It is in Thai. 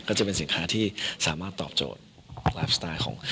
ก็จะเป็นสินค้าที่สามารถตอบโจทย์ไลฟ์สไตล์ของ